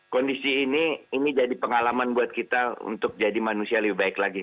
kondisi ini ini jadi pengalaman buat kita untuk jadi manusia lebih baik lagi